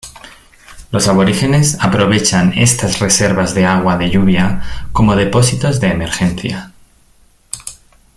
Los aborígenes aprovechan estas reservas de agua de lluvia como depósitos de emergencia.